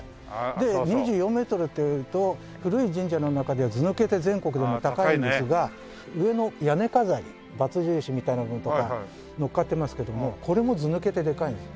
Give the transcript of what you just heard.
で２４メートルっていうと古い神社の中ではずぬけて全国でも高いんですが上の屋根飾りバツ印みたいなものとかのっかっていますけどもこれもずぬけてでかいんです。